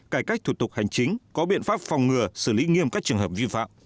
cải cách thủ tục hành chính có biện pháp phòng ngừa xử lý nghiêm các trường hợp vi phạm